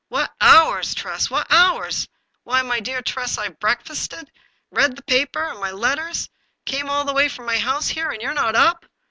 " What hours, Tress, what hours ! Why, my dear Tress, I've breakfasted, read the papers and my letters, came all the way from my house here, and you're not up